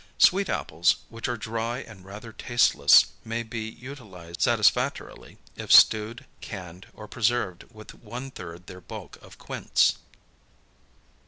Sweet apples which are dry and rather tasteless may be utilized satisfactorily if stewed, canned or preserved with one third their bulk of quince.